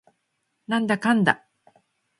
なんだかんだ